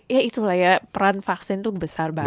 ya itulah ya peran vaksin itu besar banget